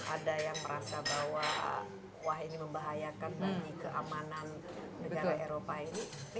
ada yang merasa bahwa wah ini membahayakan bagi keamanan negara eropa ini